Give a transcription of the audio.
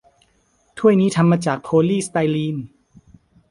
ถ้วยนี้ทำมาจากโพลีสไตรีน